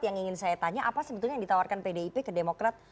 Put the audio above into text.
yang ingin saya tanya apa sebetulnya yang ditawarkan pdip ke demokrat